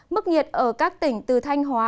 mức nhiệt ở các tỉnh từ thanh hóa